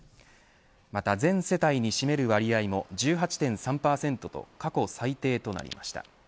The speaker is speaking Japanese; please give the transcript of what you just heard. また全世帯に占める割合も１８．３％と過去最低となりました。